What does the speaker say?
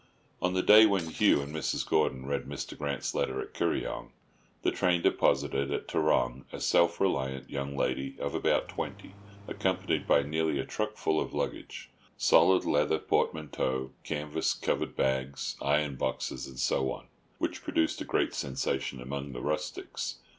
On the day when Hugh and Mrs. Gordon read Mr. Grant's letter at Kuryong, the train deposited at Tarrong a self reliant young lady of about twenty, accompanied by nearly a truck full of luggage—solid leather portmanteaux, canvas covered bags, iron boxes, and so on—which produced a great sensation among the rustics.